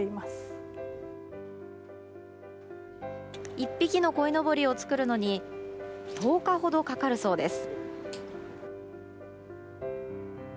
１匹のこいのぼりを作るのに１０日ほどかかるそうです。